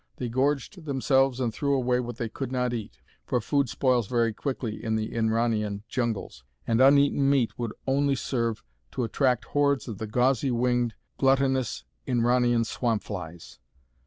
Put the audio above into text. They gorged themselves and threw away what they could not eat, for food spoils very quickly in the Inranian jungles and uneaten meat would only serve to attract hordes of the gauzy winged, glutinous Inranian swamp flies.